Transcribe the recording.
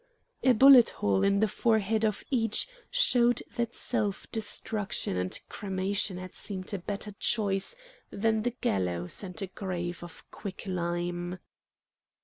A bullet hole in the forehead of each showed that self destruction and cremation had seemed a better choice than the gallows and a grave of quick lime.